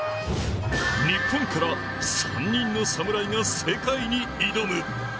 日本から３人の侍が世界に挑む。